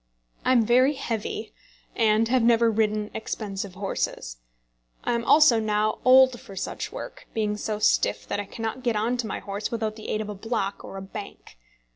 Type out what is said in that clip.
I am very heavy, and have never ridden expensive horses. I am also now old for such work, being so stiff that I cannot get on to my horse without the aid of a block or a bank.